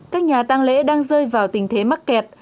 các nhà tăng lễ đang rơi vào tình thế mắc kẹt